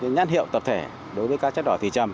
nhát hiệu tập thể đối với các chất đỏ thị trầm